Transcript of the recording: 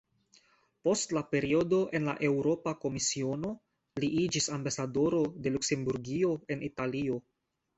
Post la periodo en la Eŭropa Komisiono, li iĝis ambasadoro de Luksemburgio en Italio.